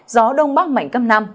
gió đông bắc mạnh cấp năm